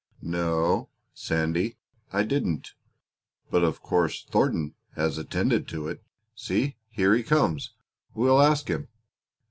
"No, Sandy, I didn't; but of course Thornton has attended to it. See, here he comes. We will ask him.